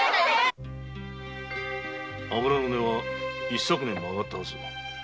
油の値は一昨年も上がったはず。